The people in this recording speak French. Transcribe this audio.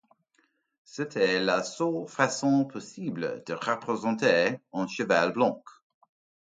C’était la seule façon possible de représenter un cheval blanc.